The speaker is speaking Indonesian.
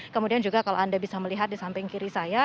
kemudian juga kalau anda bisa melihat di samping kiri saya